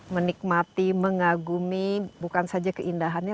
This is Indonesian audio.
menikmati mengagumi bukan saja keindahannya